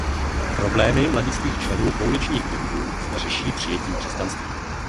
Problémy mladistvých členů pouličních gangů zde řeší přijetím křesťanství.